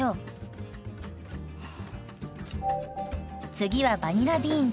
次はバニラビーンズ。